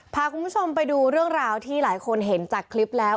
พาคุณผู้ชมไปดูเรื่องราวที่หลายคนเห็นจากคลิปแล้ว